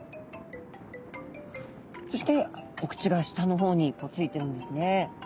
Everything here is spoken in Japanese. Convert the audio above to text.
そしてお口が下の方についてるんですね。